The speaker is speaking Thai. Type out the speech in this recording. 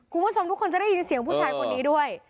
คุณผู้ชมทุกคนจะได้ยินเสียงผู้ชายคนนี้ด้วย